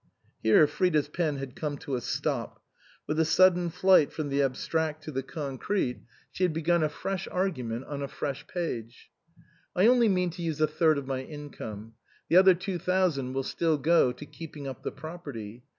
Here Frida's pen had come to a stop ; with a sudden flight from the abstract to the concrete, 131 THE COSMOPOLITAN she had begun a fresh argument on a fresh page. " I only mean to use a third of my income. The other two thousand will still go to keeping up the property.